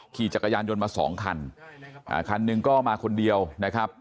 ขี่จักรยานยนต์มาสองคันคันหนึ่งก็มาคนเดียวนะครับ